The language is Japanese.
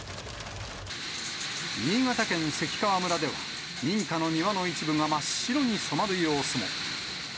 新潟県関川村では、民家の庭の一部が真っ白に染まる様子も。